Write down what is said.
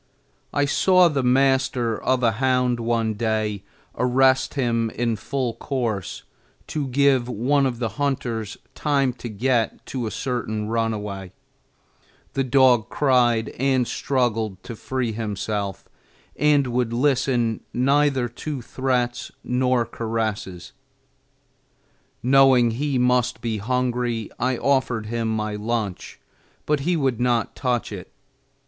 I saw the master of a hound one day arrest him in full course to give one of the hunters time to get to a certain runaway; the dog cried and struggled to free himself and would listen neither to threats nor caresses. Knowing he must be hungry, I offered him my lunch, but he would not touch it.